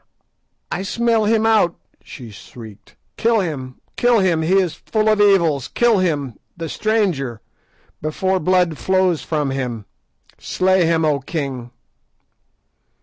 "I smell him out," she shrieked. "Kill him, kill him, he is full of evil; kill him, the stranger, before blood flows from him. Slay him, O king."